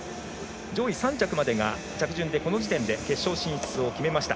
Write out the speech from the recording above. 上位３着までが着順で、この時点で決勝進出を決めました。